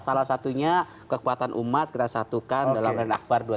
salah satunya kekuatan umat kita satukan dalam renakbar dua puluh satu